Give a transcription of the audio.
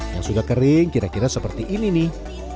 yang sudah kering kira kira seperti ini nih